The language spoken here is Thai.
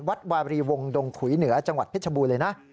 วัดวารีวงดงขุยเหนือจังหวัดเพชรบูรณ์เลยนะ